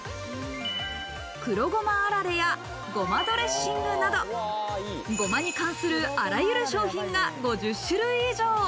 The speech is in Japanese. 黒ゴマあられや、ごまドレッシングなど、ごまに関するあらゆる商品が５０種類以上。